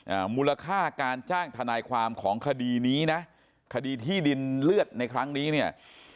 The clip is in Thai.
อ่ามูลค่าการจ้างทนายความของคดีนี้นะคดีที่ดินเลือดในครั้งนี้เนี่ย